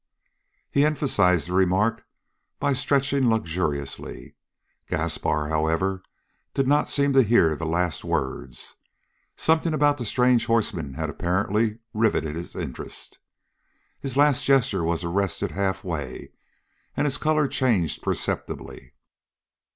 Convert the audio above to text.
He emphasized the remark by stretching luxuriously. Gaspar, however, did not seem to hear the last words. Something about the strange horseman had apparently riveted his interest. His last gesture was arrested halfway, and his color changed perceptibly.